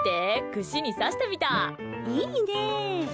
いいね！